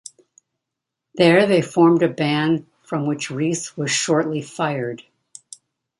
There they formed a band from which Reece was shortly fired.